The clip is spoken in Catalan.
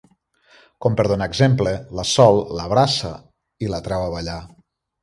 Com per donar exemple, la Sol l'abraça i la treu a ballar.